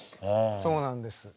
そうなんです。